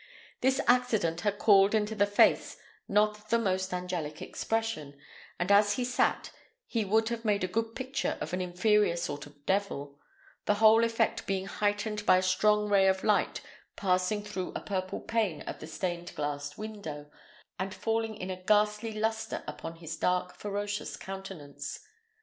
This accident had called into his face not the most angelic expression, and as he sat he would have made a good picture of an inferior sort of devil; the whole effect being heightened by a strong ray of light passing through a purple pane of the stained glass window, and falling with a ghastly lustre upon his dark, ferocious countenance.